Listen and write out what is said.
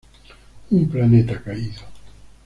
Un planeta caído.